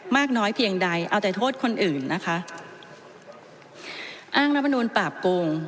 มากน้อยเพียงใดเอาแต่โทษคนอื่นนะคะอ้างรัฐมนูลปราบโกง